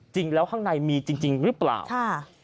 จริงแล้วข้างในมีจริงหรือเปล่าค่ะ